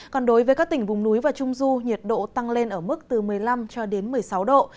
còn đối với các tỉnh vùng núi và trung du nhiệt độ tăng lên ở mức từ một mươi năm cho đến một mươi sáu độ